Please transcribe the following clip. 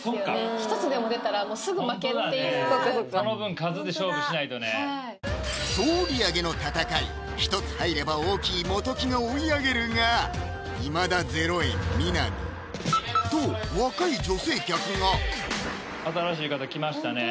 一つでも出たらもうすぐ負けっていうその分数で勝負しないとねはい総売上の戦い一つ入れば大きい元木が追い上げるがいまだ０円南と若い女性客が新しい方来ましたね